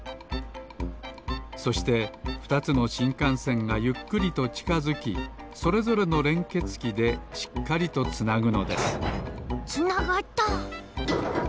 そしてふたつのしんかんせんがゆっくりとちかづきそれぞれのれんけつきでしっかりとつなぐのですつながった！